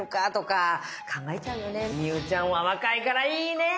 望結ちゃんは若いからいいね。